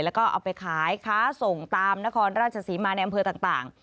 แล้วก็เอาไปขายค้าส่งตามนครราชศรีมาในอำเภอต่าง